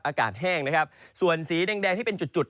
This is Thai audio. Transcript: อากาศแห้งนะครับส่วนสีแดงที่เป็นจุด